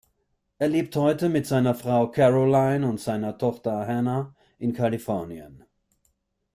Er lebt heute mit seiner Frau Caroline und seiner Tochter Hannah in Kalifornien.